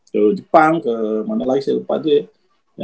ke jepang ke mana lagi saya lupa aja ya